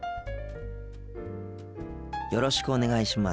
よろしくお願いします。